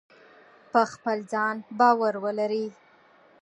په خپل ځان باور ولرئ.